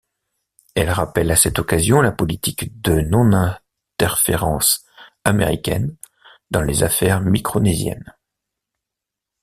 Elle rappelle à cette occasion la politique de non-interférence américaine dans les affaires micronésiennes.